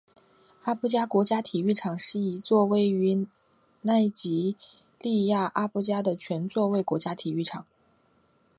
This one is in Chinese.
阿布加国家体育场是一座位于奈及利亚阿布加的全座位国家体育场。